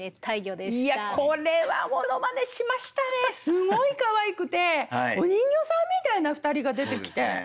すごいかわいくてお人形さんみたいな２人が出てきて。